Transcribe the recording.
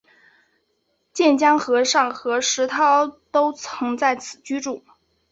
渐江和尚和石涛都曾在此居住。